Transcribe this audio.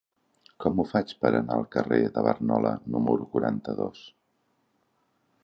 Com ho faig per anar al carrer de Barnola número quaranta-dos?